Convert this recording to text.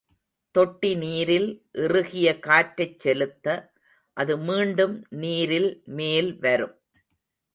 தொட்டி நீரில் இறுகிய காற்றைச் செலுத்த, அது மீண்டும் நீரில் மேல் வரும்.